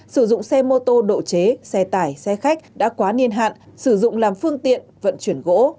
sử dụng xe mô tô độ chế xe tải xe khách đã quá niên hạn sử dụng làm phương tiện vận chuyển gỗ